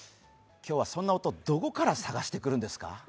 今日は、そんな音どこから探してくるんですか？